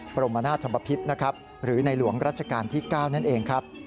บรมนาธรรมภิพธิ์หรือในหลวงราชกาลที่๙นั่นเองครับ